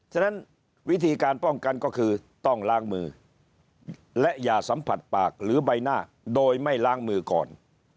ฉะนั้นวิธีการป้องกันก็คือต้องล้างมือและอย่าสัมผัสปากหรือใบหน้าโดยไม่ล้างมือก่อน